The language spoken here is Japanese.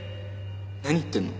何言ってんの？